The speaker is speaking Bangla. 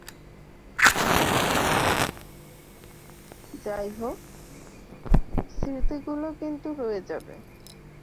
যাইহোক, স্মৃতিগুলো কিন্তু রয়ে যাবে।